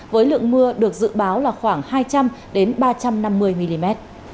với lượng mưa được dự báo là khoảng hai trăm linh ba trăm năm mươi mm